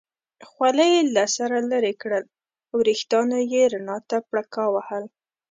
خولۍ یې له سره لرې کړل، وریښتانو یې رڼا ته پړکا وهل.